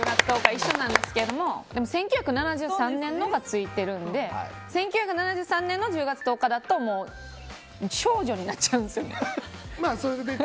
一緒なんですけど１９７３年のがついているので１９７３年の１０月１０日だと少女になっちゃうんですよね。